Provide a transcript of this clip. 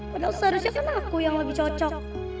padahal seharusnya kan aku yang lebih cocok